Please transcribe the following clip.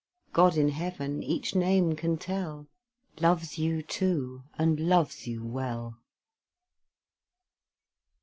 God in heaven each name can tell, Loves you, too, and loves you well.